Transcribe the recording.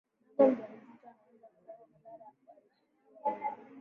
mama mjamzito anaweza kupata madhara ya kuharibikiwa mimba